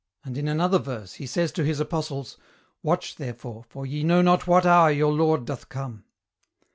And in another verse He says to His apostles, 'Watch, therefore, for ye know not what hour your Lord doth come.'